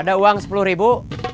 ada uang sepuluh ribu